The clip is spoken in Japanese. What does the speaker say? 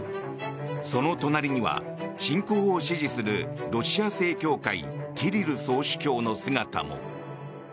その隣には侵攻を支持するロシア正教会キリル総主教の姿も。